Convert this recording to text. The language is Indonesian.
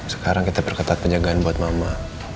sekarang kita perketat penjagaan buat mama